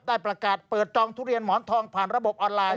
ได้ประกาศเปิดจองทุเรียนหมอนทองผ่านระบบออนไลน์